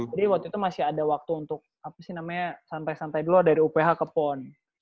jadi waktu itu masih ada waktu untuk apa sih namanya santai santai dulu dari upa ke pon